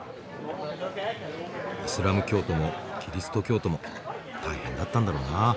イスラム教徒もキリスト教徒も大変だったんだろうな。